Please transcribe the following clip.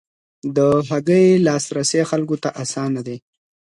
د هګۍ لاسرسی خلکو ته اسانه دی.